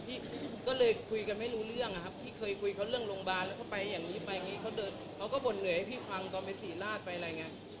พี่ก็เลยคุยกันไม่รู้เรื่องอะครับพี่เคยคุยเขาเรื่องโรงพยาบาลแล้วเขาไปอย่างนี้ไปอย่างนี้เขาเดินเขาก็บ่นเหนื่อยให้พี่ฟังตอนไปศรีราชไปอะไรอย่างนี้